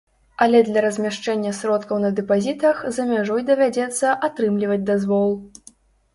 Але для размяшчэння сродкаў на дэпазітах за мяжой давядзецца атрымліваць дазвол.